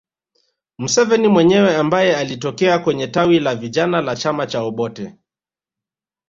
Museveni mwenyewe ambaye alitokea kwenye tawi la vijana la chama cha Obote